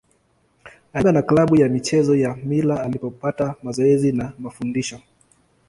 Alijiunga na klabu ya michezo ya Mila alipopata mazoezi na mafundisho.